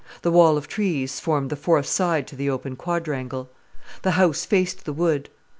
The wall of trees formed the fourth side to the open quadrangle. The house faced the wood.